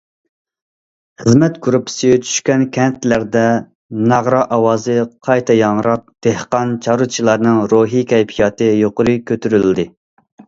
خىزمەت گۇرۇپپىسى چۈشكەن كەنتلەردە ناغرا ئاۋازى قايتا ياڭراپ، دېھقان- چارۋىچىلارنىڭ روھى كەيپىياتى يۇقىرى كۆتۈرۈلدى.